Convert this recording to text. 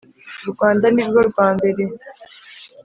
u rwanda ni rwo rwambere